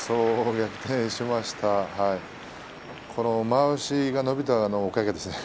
まわしが伸びたおかげですね。